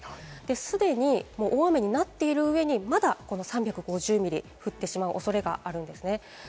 既に大雨になっている上に、まだ３５０ミリ降ってしまうおそれがあるんです。